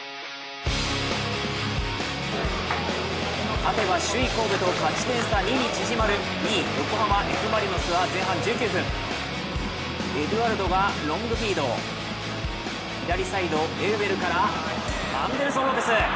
勝てば首位・神戸と勝ち点差２に縮まる２位・横浜Ｆ・マリノスは前半１９分、エドゥアルドがロングフィード、左サイド・エウベルからアンデルソン・ロペス。